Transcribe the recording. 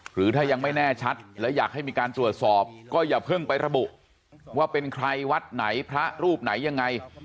หรือถ้ายังไม่แน่ชัดและอยากให้มีการตรวจสอบก็อย่าเพิ่งไประบุว่าเป็นใครวัดไหนพระรูปไหนยังไง